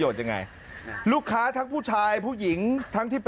กินดูว่ามันจะอย่างไร